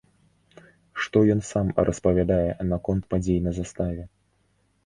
Што ён сам распавядае наконт падзей на заставе?